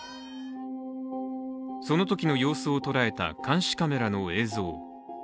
そのときの様子を捉えた監視カメラの映像。